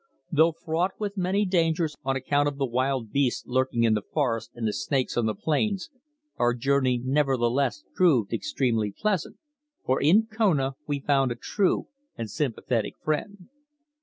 Though fraught with many dangers on account of the wild beasts lurking in the forests and the snakes on the plains, our journey nevertheless proved extremely pleasant, for in Kona we found a true and sympathetic friend.